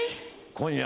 今夜？